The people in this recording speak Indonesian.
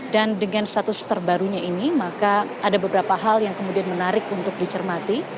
dan dengan status terbarunya ini maka ada beberapa hal yang kemudian menarik untuk dicermati